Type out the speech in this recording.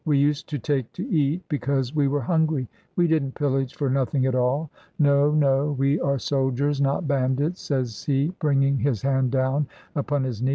We used to take to eat because we were hungry. We didn't pillage for nothing at all. No, no; we are soldiers, not bandits," says he bringing his hand down upon his knee.